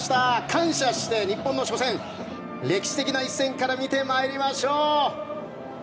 感謝して日本の初戦、歴史的な一戦から見てまいりましょう。